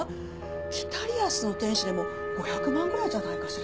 『北リアスの天使』でも５００万ぐらいじゃないかしら？